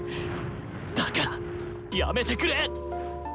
だからやめてくれ！